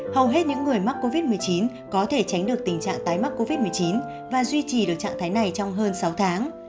hầu hết những người mắc covid một mươi chín có thể tránh được tình trạng tái mắc covid một mươi chín và duy trì được trạng thái này trong hơn sáu tháng